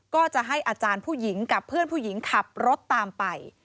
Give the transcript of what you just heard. ก็จะให้อาจารย์ผู้หญิงกับเพื่อนผู้หญิงขับรถตามไป